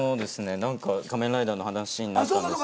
何か仮面ライダ―の話になったんですが。